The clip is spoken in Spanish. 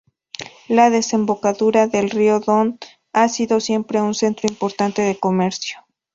La desembocadura del río Don ha sido siempre un centro importante de comercio.